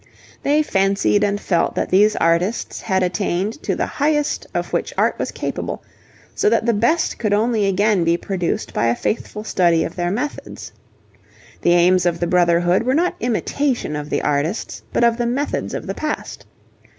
They fancied and felt that these artists had attained to the highest of which art was capable, so that the best could only again be produced by a faithful study of their methods. The aims of the Brotherhood were not imitation of the artists but of the methods of the past.